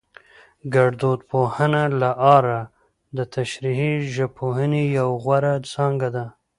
ګړدود پوهنه له اره دتشريحي ژبپوهنې يوه غوره څانګه ده